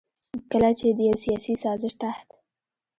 کله چې د يو سياسي سازش تحت